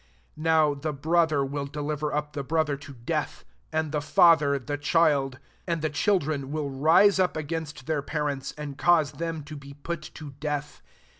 21 Now the brother will deliver up the brother to death, and the father the child ; and the children will rise up against t/t€ir parents, and cause them to be put to death.